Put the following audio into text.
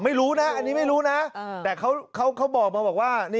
ไม่รู้นะอันนี้ไม่รู้นะแต่เขาบอกมาบอกว่า